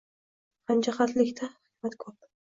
Hamjihatlikda hikmat ko‘p!